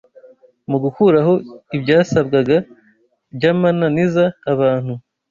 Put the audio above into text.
Mu gukuraho ibyasabwaga by’amananiza abantu